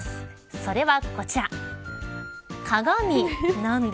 それは、こちら。